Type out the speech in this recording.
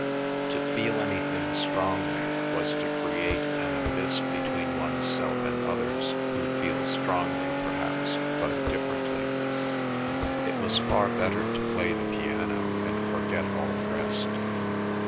To feel anything strongly was to create an abyss between oneself and others who feel strongly perhaps but differently. It was far better to play the piano and forget all the rest.